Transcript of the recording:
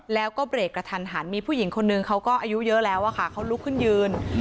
แล้วก็เบรกกระทันมีผู้หญิงคนหนึ่งเขาก็อายุเยอะแล้วเขาลเค้ารึกขึ้นยืน